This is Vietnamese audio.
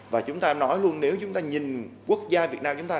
và chúng ta nói luôn nếu chúng ta nhìn quốc gia việt nam chúng ta